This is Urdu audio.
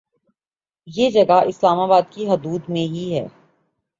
یہ جگہ اسلام آباد کی حدود میں ہی ہے